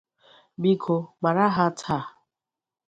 biko mara ha taa